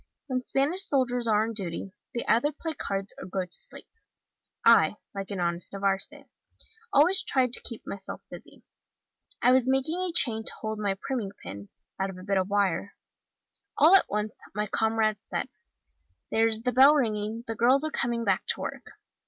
When Spanish soldiers are on duty, they either play cards or go to sleep. I, like an honest Navarrese, always tried to keep myself busy. I was making a chain to hold my priming pin, out of a bit of wire: all at once, my comrades said, 'there's the bell ringing, the girls are coming back to work.